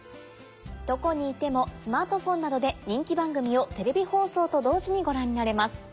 どこにいてもスマートフォンなどで人気番組をテレビ放送と同時にご覧になれます。